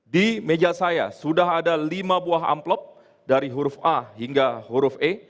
di meja saya sudah ada lima buah amplop dari huruf a hingga huruf e